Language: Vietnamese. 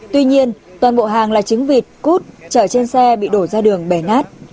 tuy nhiên toàn bộ hàng là trứng vịt cút trở trên xe bị đổ ra đường bề nát